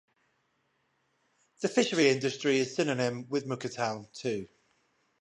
The fishery industry is synonym with Mukah town too.